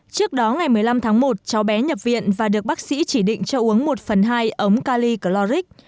trước đó ngày một mươi năm tháng một cháu bé nhập viện và được bác sĩ chỉ định cho uống một phần hai ống kali chloric